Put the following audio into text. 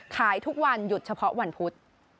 ขายทุกวันหยุดเฉพาะวันพุธ